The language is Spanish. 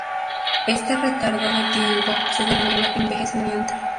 Este retardo de tiempo se denomina envejecimiento.